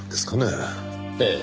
ええ。